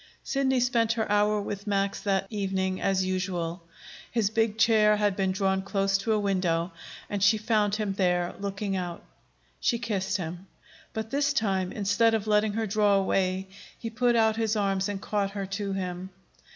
Sidney spent her hour with Max that evening as usual. His big chair had been drawn close to a window, and she found him there, looking out. She kissed him. But this time, instead of letting her draw away, he put out his arms and caught her to him.